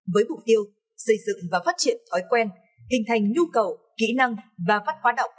với mục tiêu xây dựng và phát triển thói quen hình thành nhu cầu kỹ năng và phát hóa đọc